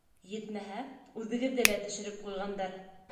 Етмәһә, үҙегеҙҙе лә төшөрөп ҡуйғандар.